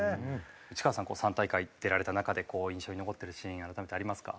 内川さん３大会出られた中で印象に残ってるシーン改めてありますか？